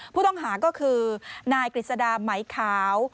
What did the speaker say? ผู้ต้องหาก็คือนายกฤษดาไหมขาว